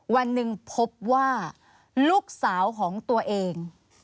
วันหนึ่งพบว่าลูกสาวของตัวเอง